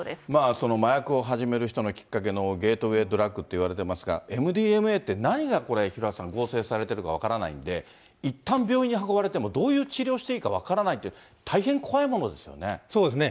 その麻薬を始める人のきっかけのゲートウェイドラッグっていわれてますが、ＭＤＭＡって何がこれ、廣畑さん、合成されてるか分からないんで、いったん病院に運ばれても、運ばれても、どういう治療していいか分からないって、大変怖いものでそうですね。